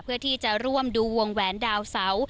เพื่อที่จะร่วมดูวงแหวนดาวเสา